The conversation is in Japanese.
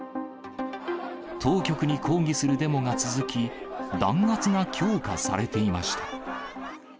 当局に抗議するデモが続き、弾圧が強化されていました。